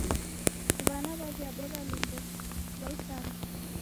W'ana w'aw'iabora lumbo klwa isanga.